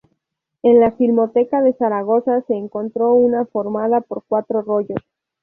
En la Filmoteca de Zaragoza se encontró una formada por cuatro rollos.